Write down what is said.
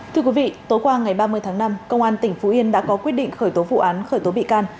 thưa quý vị tối qua ngày ba mươi tháng năm công an tỉnh phú yên đã có quyết định khởi tố vụ án khởi tố bị can